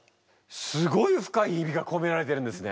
すごい深い意味が込められてるんですね。